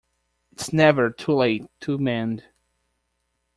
It's never too late to mend.